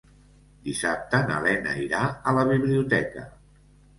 Dissabte na Lena irà a la biblioteca.